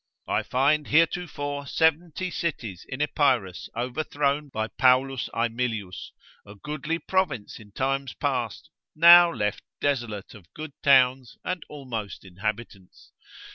I find heretofore 70 cities in Epirus overthrown by Paulus Aemilius, a goodly province in times past, now left desolate of good towns and almost inhabitants.